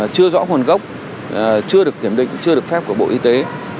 chưa rõ nguồn gốc chưa được kiểm định chưa được phép của bộ y tế